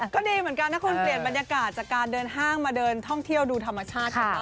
ก็ดีเหมือนกันนะคุณเปลี่ยนบรรยากาศจากการเดินห้างมาเดินท่องเที่ยวดูธรรมชาติกันบ้าง